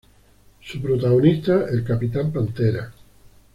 Su protagonista, el El Capitán Pantera...